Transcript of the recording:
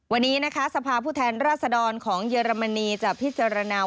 วันนี้สภาพุทันราศดรของเยอรมนีจะพิจารณา